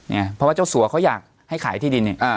เพราะว่าเจ้าสัวเขาอยากให้ขายที่ดินเนี่ย